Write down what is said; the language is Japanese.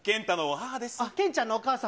けんちゃんのお母さん。